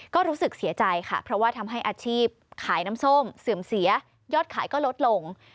ก็รู้สึกเสียใจค่ะเพราะว่าทำให้อาชีพขายน้ำส้มเสื่อมเสียยอดขายก็ลดลง